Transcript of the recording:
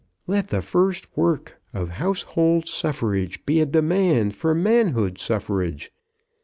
"Let the first work of household suffrage be a demand for manhood suffrage."